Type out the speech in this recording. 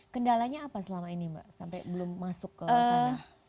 kendalanya apa selama ini mbak sampai belum masuk ke sana